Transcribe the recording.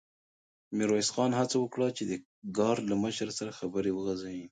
ميرويس خان هڅه وکړه چې د ګارد له مشر سره خبرې وغځوي.